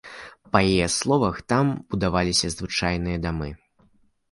Па яе словах, там будаваліся звычайныя дамы.